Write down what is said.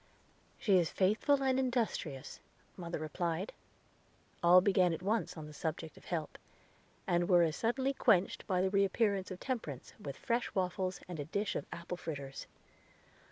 "She is faithful and industrious," mother replied. All began at once on the subject of help, and were as suddenly quenched by the reappearance of Temperance, with fresh waffles, and a dish of apple fritters.